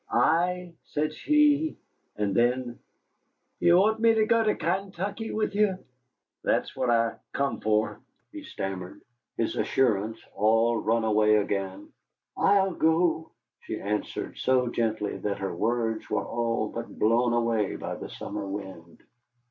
"Ay," said she. And then, "You want me to go to Kaintuckee with you?" "That's what I come for," he stammered, his assurance all run away again. "I'll go," she answered, so gently that her words were all but blown away by the summer wind.